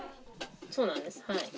そうなんですはい。